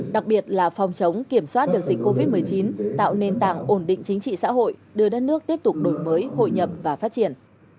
đặc biệt là phòng chống kiểm soát được dịch covid một mươi chín tạo nền tảng ổn định chính trị xã hội đưa đất nước tiếp tục đổi mới hội nhập và phát triển